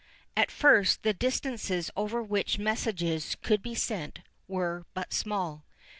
At first the distances over which messages could be sent were but small.